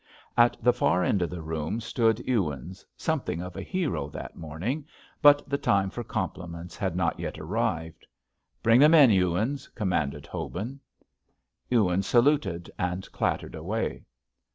At the far end of the room stood Ewins, something of a hero that morning, but the time for compliment had not yet arrived. "Bring them in, Ewins," commanded Hobin. Ewins saluted and clattered away.